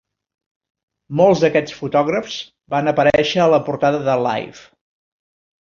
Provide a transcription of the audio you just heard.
Molts d'aquests fotògrafs van aparèixer a la portada de "Life".